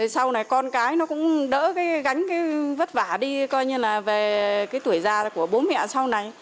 sau này con cái nó cũng đỡ cái gánh cái vất vả đi coi như là về cái tuổi già của bố mẹ sau này